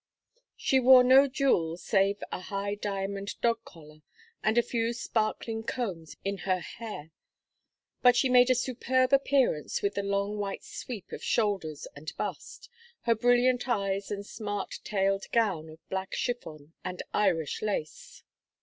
She wore no jewels save a high diamond dog collar and a few sparkling combs in her hair, but she made a superb appearance with the long white sweep of shoulders and bust, her brilliant eyes and smart tailed gown of black chiffon and Irish lace.